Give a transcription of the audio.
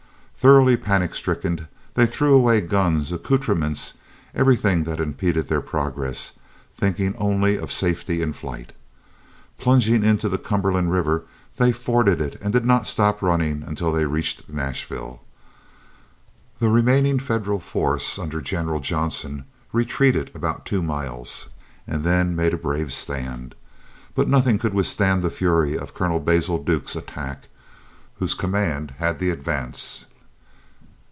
Thoroughly panic stricken they threw away guns, accoutrements, everything that impeded their progress, thinking only of safety in flight. Plunging into the Cumberland River, they forded it and did not stop running until they reached Nashville. The remaining Federal force under General Johnson retreated about two miles, and then made a brave stand. But nothing could withstand the fury of Colonel Basil Duke's attack, whose command had the advance.